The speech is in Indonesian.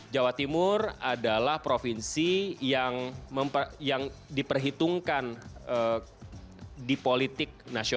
jawa timur adalah provinsi yang diperhitungkan di politik